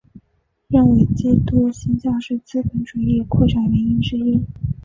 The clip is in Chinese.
认为基督新教是资本主义扩展原因之一。